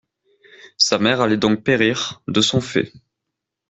Sa mère allait donc périr, de son fait.